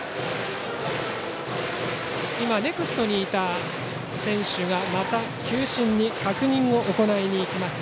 ネクストにいた選手がまた球審に確認に行きます。